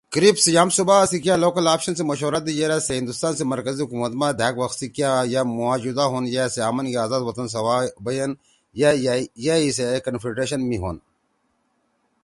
کرِپس یام صوبا سی کیا لوکل آپشن (Local option) سی مشورہ دیِد یرأ سے ہندوستان سی مرکزی حکومت ما دھأک وَخ سی کیا یا مُوا جُدا ہون یا سے آمنگے آزاد وطن سوا بیَن آں یا ئی سے اے کنفیڈریشن (Confederation) می ہون